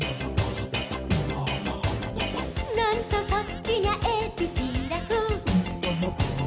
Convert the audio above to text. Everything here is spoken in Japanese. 「なんとそっちにゃえびピラフ」